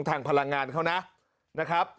ทางพลังงานเขานะ